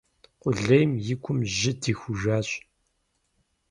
Къулейм и гум жьы дихужащ.